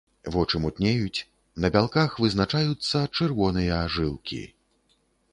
Вочы мутнеюць, на бялках вызначаюцца чырвоныя жылкі.